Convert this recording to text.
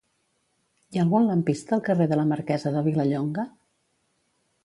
Hi ha algun lampista al carrer de la Marquesa de Vilallonga?